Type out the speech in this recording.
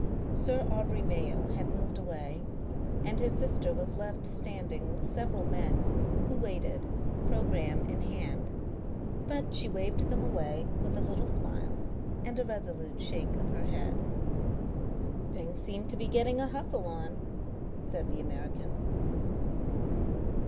Sir Aubrey Mayo had moved away, and his sister was left standing with several men, who waited, programme in hand, but she waved them away with a little smile and a resolute shake of her head. "Things seem to be getting a hustle on," said the American.